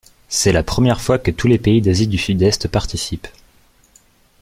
C'est la première fois que tous les pays d'Asie du Sud-Est participent.